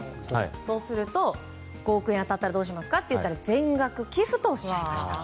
そうすると、５億円が当たったらどうしますかと聞いたら全額寄付とおっしゃいました。